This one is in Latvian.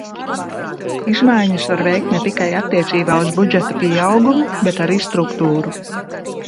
Izmaiņas var veikt ne tikai attiecībā uz budžeta pieaugumu, bet arī struktūru.